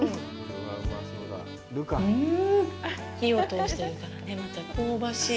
火を通してるからねまた香ばしい。